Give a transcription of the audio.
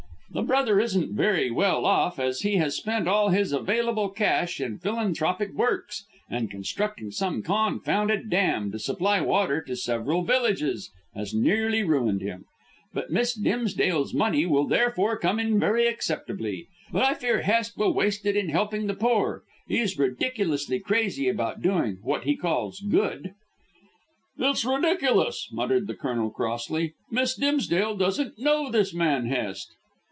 The brother isn't very well off, as he has spent all his available cash in philanthropic works, and constructing some confounded dam to supply water to several villages has nearly ruined him. Miss Dimsdale's money will therefore come in very acceptably. But I fear Hest will waste it in helping the poor; he's ridiculously crazy about doing what he calls good." "It's ridiculous," muttered the Colonel crossly. "Miss Dimsdale doesn't know this man Hest."